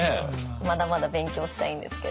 まだまだ勉強したいんですけど。